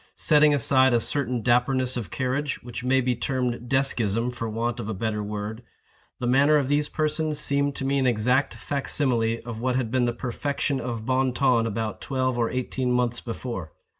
Setting aside a certain dapperness of carriage, which may be termed deskism for want of a better word, the manner of these persons seemed to me an exact fac simile of what had been the perfection of bon ton about twelve or eighteen months before.